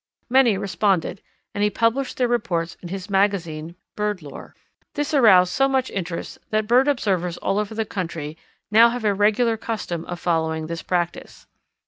Many responded, and he published their reports in his magazine Bird Lore. This aroused so much interest that bird observers all over the country now have a regular custom of following this practice.